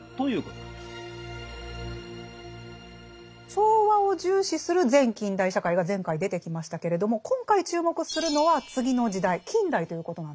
調和を重視する前近代社会が前回出てきましたけれども今回注目するのは次の時代近代ということなんですね。